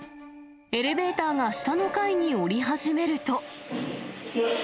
エレベーターが下の階に下り始めると。